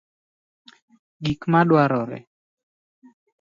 Gik ma dwarore;